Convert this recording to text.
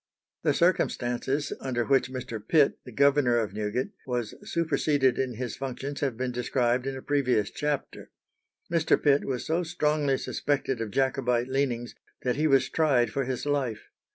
The circumstances under which Mr. Pitt, the governor of Newgate, was superseded in his functions have been described in a previous chapter. Mr. Pitt was so strongly suspected of Jacobite leanings that he was tried for his life.